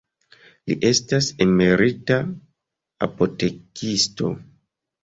Li estas emerita apotekisto.